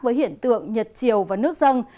với hiện tượng nhật chiều và nước dân